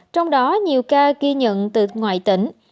trong đó nhiều ca ghi nhận từ ngoài tỉnh